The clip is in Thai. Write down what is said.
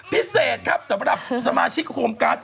พิเศษครับสำหรับสมาชิกโฮมการ์ด